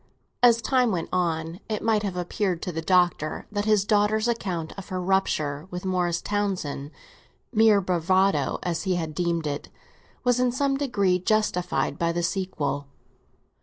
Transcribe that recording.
As time went on, it might have appeared to the Doctor that his daughter's account of her rupture with Morris Townsend, mere bravado as he had deemed it, was in some degree justified by the sequel.